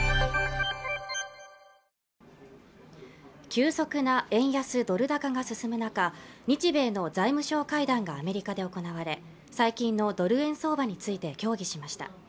急速な円安ドル高が進む中日米の財務相会談がアメリカで行われ最近のドル円相場について協議しました